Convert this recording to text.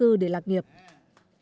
hãy đăng ký kênh để ủng hộ kênh mình nhé